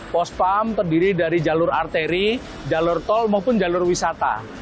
pospam terdiri dari jalur arteri jalur tol maupun jalur wisata